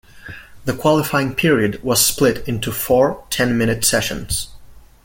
The qualifying period was split into four, ten-minute sessions.